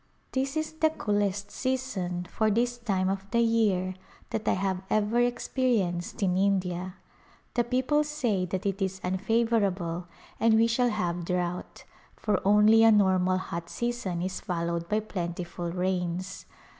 This is the coolest season for this time of the year that I have ever experienced in India. The people say that it is unfavorable and we shall have drought, for only a normal hot season is followed by plentiful rains.